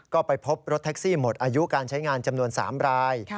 ก็ไปพบรถแท็กซี่หมดอายุการใช้งานจำนวน๓ราย